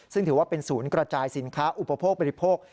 ซึ่งถือว่าเป็นศูนย์กระจายสินค้าอุปโภคบริโภค